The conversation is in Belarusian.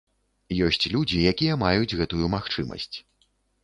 Ёсць людзі, якія маюць гэтую магчымасць.